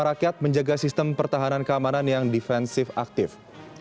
rakyat menjaga sistem pertahanan keamanan yang defensif aktif kepala negara juga menyebut